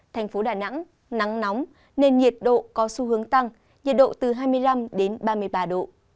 thành phố đà nẵng nắng nóng nên nhiệt độ có xu hướng tăng nhiệt độ từ hai mươi năm đến ba mươi ba độ